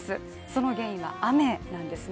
その原因は雨なんです。